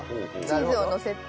チーズをのせて。